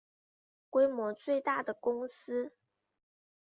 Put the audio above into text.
规模最大的公司